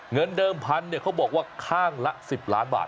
เงินเดิมพันธุ์เขาบอกว่าข้างละ๑๐ล้านบาท